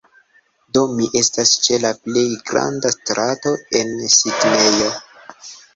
Do, mi estas ĉe la plej granda strato en Sidnejo